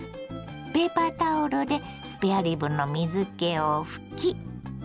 ペーパータオルでスペアリブの水けを拭き。